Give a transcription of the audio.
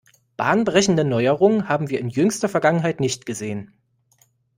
Bahnbrechende Neuerungen haben wir in jüngster Vergangenheit nicht gesehen.